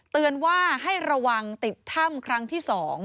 เตือนว่าให้ระวังติดถ้ำครั้งที่๒